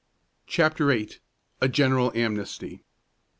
CHAPTER VIII. A GENERAL AMNESTY.